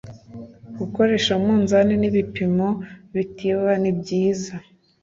gukoresha umunzani n’ibipimo bitiba, nibyiza